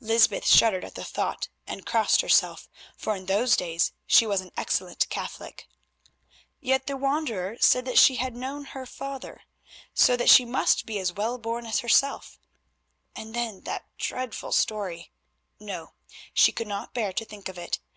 Lysbeth shuddered at the thought and crossed herself, for in those days she was an excellent Catholic. Yet the wanderer said that she had known her father, so that she must be as well born as herself—and then that dreadful story—no, she could not bear to think of it.